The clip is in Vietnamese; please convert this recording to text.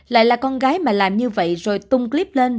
lại là con gái mà làm như vậy rồi tung clip lên